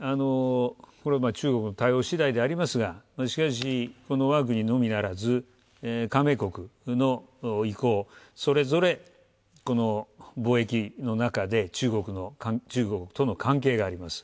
中国の対応次第でありますがしかし、この枠組みのみならず加盟国の意向、それぞれ貿易の中で中国との関係があります。